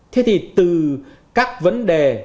thế thì từ các vấn đề